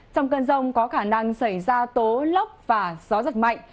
trong cơn rông có khả năng xảy ra tố lốc và gió giật mạnh